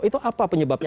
itu apa penyebabnya